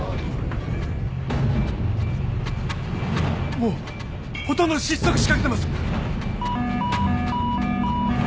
もうほとんど失速しかけてます。